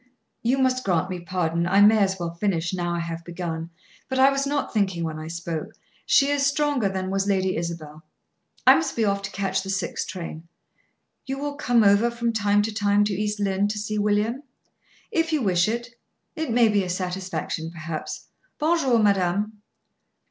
"You must grant me pardon. I may as well finish, now I have begun; but I was not thinking when I spoke. She is stronger than was Lady Isabel. I must be off to catch the six train." "You will come over from time to time to East Lynne to see William?" "If you wish it. It may be a satisfaction, perhaps. Bon jour, madame."